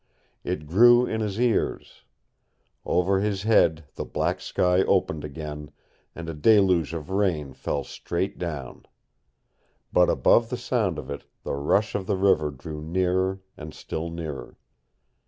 It grew in his ears. Over his head the black sky opened again, and a deluge of rain fell straight down. But above the sound of it the rush of the river drew nearer, and still nearer.